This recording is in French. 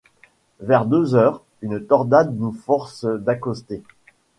Vers deux heures, une tornade nous force d’accoster.